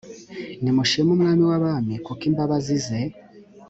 nimushime umwami w abami kuko imbabazi ze